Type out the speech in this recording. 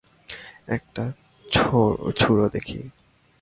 একটা ছুড়ো দেখি।